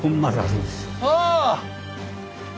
ああ！